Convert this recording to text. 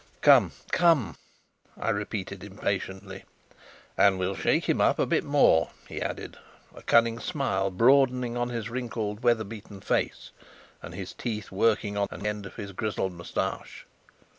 "Come, come!" I repeated impatiently. "And we'll shake him up a bit more," he added, a cunning smile broadening on his wrinkled, weather beaten face, and his teeth working on an end of his grizzled moustache.